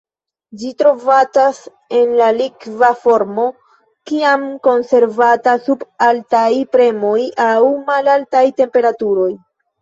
Ĝi trovatas en la likva formo kiam konservata sub altaj premoj aŭ malaltaj temperaturoj.